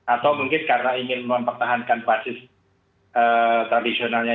atau mungkin karena ingin mempertahankan basis tradisionalnya